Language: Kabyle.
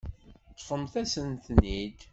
Ṭṭfemt-asent-ten-id.